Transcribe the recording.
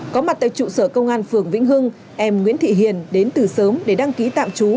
có mặt tại trụ sở công an phường vĩnh hưng em nguyễn thị hiền đến từ sớm để đăng ký tạm trú